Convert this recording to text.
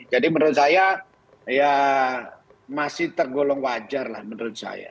jadi menurut saya ya masih tergolong wajar lah menurut saya